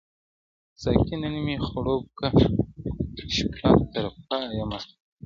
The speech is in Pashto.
ساقي نن مي خړوب که شپه تر پایه مستومه-